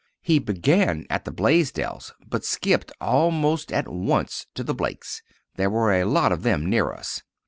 He began at the Blaisdells, but skipped almost at once to the Blakes—there were a lot of them near us.